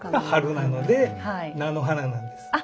春なので菜の花なんです。